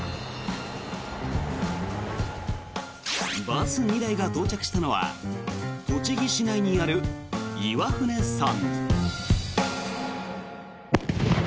バス２台が到着したのは栃木市内にある岩船山。